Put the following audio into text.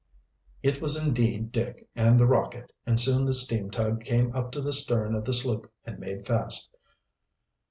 It was indeed Dick and the Rocket, and soon the steam tug came up to the stern of the sloop and made fast.